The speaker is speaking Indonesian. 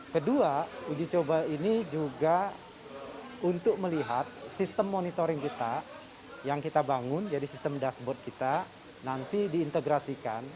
kedua uji coba ini juga untuk melihat sistem monitoring kita yang kita bangun jadi sistem dashboard kita nanti diintegrasikan